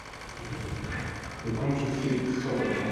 The county seat is Soperton.